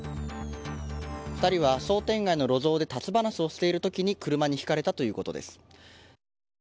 ２人は商店街の路上で立ち話をしている時に車にひかれたということです。